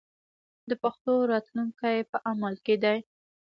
د پښتو راتلونکی په عمل کې دی.